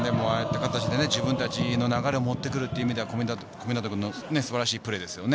自分達の流れを持ってくるという意味では小湊君の素晴らしいプレーですよね。